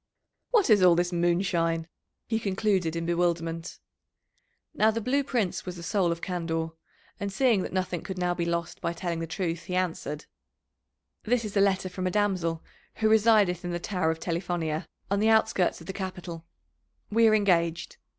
"What is all this moonshine?" he concluded in bewilderment. Now the Blue Prince was the soul of candour, and seeing that nothing could now be lost by telling the truth, he answered: "This is a letter from a damsel who resideth in the Tower of Telifonia, on the outskirts of the capital; we are engaged.